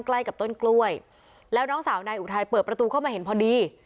ใกล้กับต้นกล้วยแล้วน้องสาวนายอุทัยเปิดประตูเข้ามาเห็นพอดี